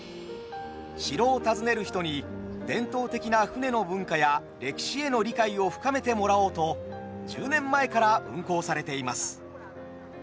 城を訪ねる人に伝統的な船の文化や歴史への理解を深めてもらおうと１０年前から運行されています。